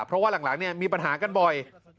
เพราะว่าหลังมีปัญหากันบ่อย